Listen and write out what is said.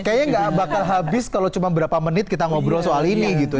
kayaknya nggak bakal habis kalau cuma berapa menit kita ngobrol soal ini gitu